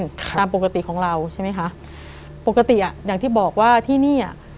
ค่ะตามปกติของเราใช่ไหมคะปกติอ่ะอย่างที่บอกว่าที่นี่อ่ะ